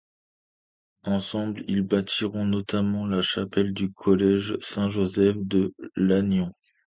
Ensemble, ils bâtiront notamment la chapelle du collège Saint-Joseph de Lannion.